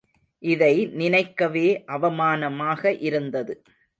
இதை நினைக்கவே அவமானமாக இருந்தது.